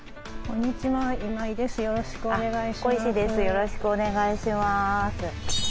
よろしくお願いします。